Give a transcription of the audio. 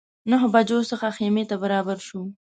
نهه بجو څخه خیمې ته برابر شوو.